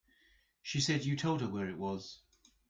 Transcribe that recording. She said you told her where it was.